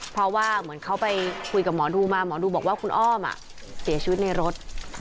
เพราะว่าเหมือนเขาไปคุยกับหมอดูมาหมอดูบอกว่าคุณอ้อมเสียชีวิตในรถ